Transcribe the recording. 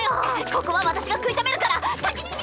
ここは私が食い止めるから先に逃げて！